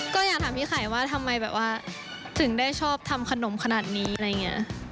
ก็อยากถามพี่ไข่ว่าทำไมแบบว่าถึงได้ชอบทำขนมขนาดนี้อะไรอย่างนี้